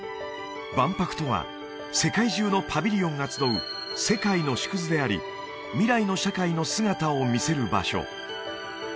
万博とは世界中のパビリオンが集う世界の縮図であり未来の社会の姿を見せる場所